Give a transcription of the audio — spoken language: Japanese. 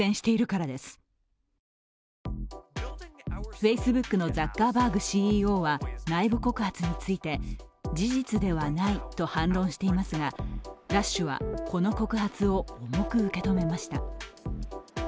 ＦａｃｅｂｏｏｋのザッカーバーグＣＥＯは内部告発について事実ではないと反論していますがＬＵＳＨはこの告発を重く受け止めました。